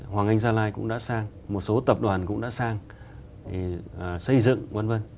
hoàng anh gia lai cũng đã sang một số tập đoàn cũng đã sang xây dựng v v